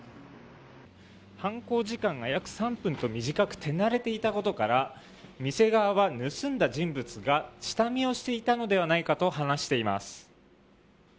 犯行時間が約３分と短く手慣れていたことから店側は盗んだ人物が下見をしていたのではないかと話しています。